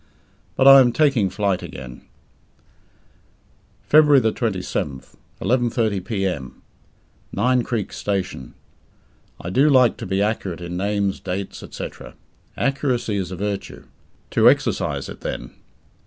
But I am taking flight again. February 27th, 11.30 p.m. Nine Creeks Station. I do like to be accurate in names, dates, etc. Accuracy is a virtue. To exercise it, then.